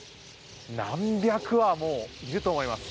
何百羽もいると思います。